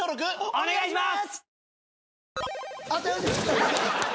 お願いします。